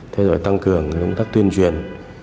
thế rồi tăng cường công tác tuyên truyền